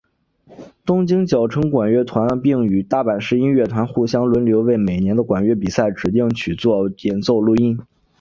东京佼成管乐团并与大阪市音乐团互相轮流为每年的管乐比赛指定曲做演奏录音。